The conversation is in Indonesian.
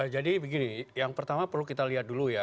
jadi begini yang pertama perlu kita lihat dulu ya